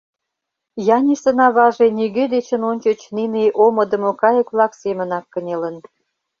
Янисын аваже нигӧ дечын ончыч нине омыдымо кайык-влак семынак кынелын.